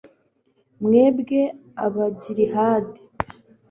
mwebwe abagilihadi